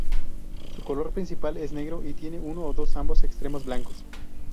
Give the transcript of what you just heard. Su color principal es negro y tiene uno o ambos extremos blancos.